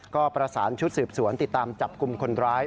ก็ประสานชุดสืบสวนติดตามจับกลุ่มคนร้าย